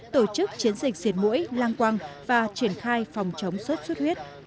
tổ chức chiến dịch diệt mũi lăng quăng và triển khai phòng chống sốt xuất huyết